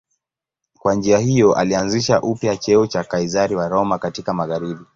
Kwa njia hiyo alianzisha upya cheo cha Kaizari wa Roma katika magharibi.